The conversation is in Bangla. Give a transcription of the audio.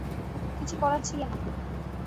কিছু করার ছিল না তো!